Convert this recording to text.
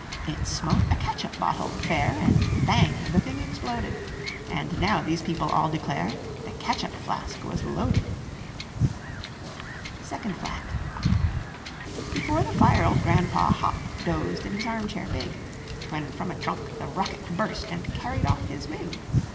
It smote a catsup bottle, fair, And bang! the thing exploded! And now these people all declare That catsup flask was loaded. [Illustration: FIRST FLAT] SECOND FLAT Before the fire old Grandpa Hopp Dozed in his arm chair big, When from a trunk the rocket burst And carried off his wig!